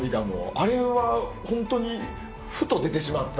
あれはホントにふと出てしまった？